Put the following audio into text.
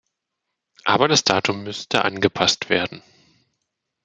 Aber das Datum müsste angepasst werden.